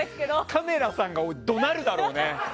カメラさんが怒鳴るだろうね。